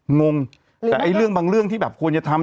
งงแต่ไอ้เรื่องบางเรื่องที่แบบควรจะทำ